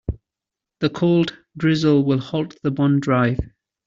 The cold drizzle will halt the bond drive.